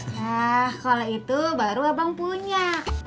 nah kalau itu baru abang punya